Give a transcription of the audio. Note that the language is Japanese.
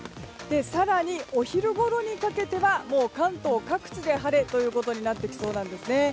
更にお昼ごろにかけては関東各地で晴れとなってきそうです。